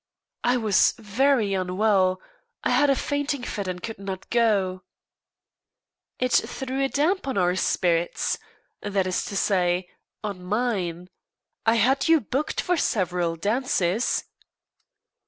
"I was very unwell; I had a fainting fit and could not go." "It threw a damp on our spirits that is to say, on mine. I had you booked for several dances."